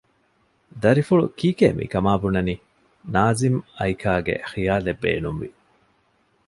ދަރިފުޅު ކީކޭ މިކަމާ ބުނަނީ؟ ނާޒިމް އައިކާގެ ޚިޔާލެއް ބޭނުންވި